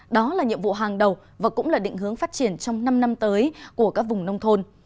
đó là nhiệm vụ hàng đầu và cũng là định hướng phát triển trong năm năm tới của các vùng nông thôn